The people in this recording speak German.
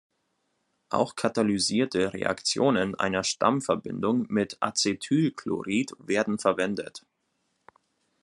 Auch katalysierte Reaktionen einer Stammverbindung mit Acetylchlorid werden verwendet.